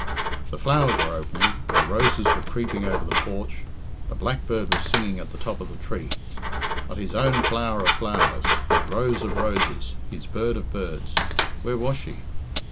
The flowers were opening, the roses were creeping over the porch, the blackbird was singing at the top of the tree; but his own flower of flowers, his rose of roses, his bird of birds where was she?